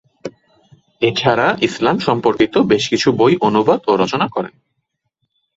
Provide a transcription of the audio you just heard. এছাড়া ইসলাম সম্পর্কিত বেশ কিছু বই অনুবাদ ও রচনা করেন।